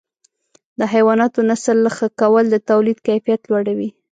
د حیواناتو نسل ښه کول د تولید کیفیت لوړوي.